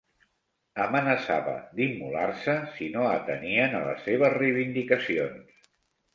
Amenaçava d'immolar-se si no atenien a les seves reivindicacions.